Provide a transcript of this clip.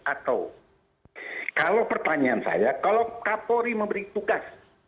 atau kalau pertanyaan saya kalau kapolri memberi tugas